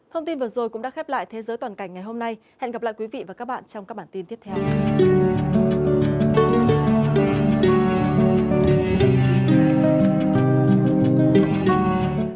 thông tin vừa rồi cũng đã khép lại thế giới toàn cảnh ngày hôm nay hẹn gặp lại quý vị và các bạn trong các bản tin tiếp theo